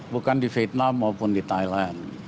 bukan di vietnam maupun di thailand